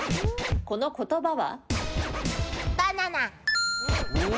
この言葉は？